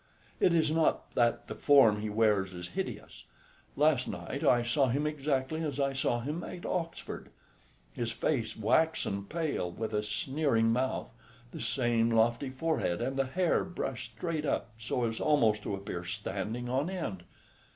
It is not that the form he wears is hideous. Last night I saw him exactly as I saw him at Oxford his face waxen pale, with a sneering mouth, the same lofty forehead, and hair brushed straight up so as almost to appear standing on end.